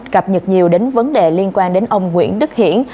cập nhật nhiều đến vấn đề liên quan đến ông nguyễn đức hiển